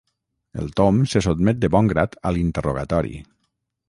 El Tom se sotmet de bon grat a l'interrogatori.